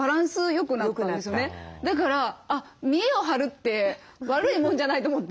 だから見えを張るって悪いもんじゃないと思って。